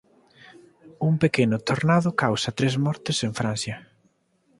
Un pequeno tornado causa tres mortes en Francia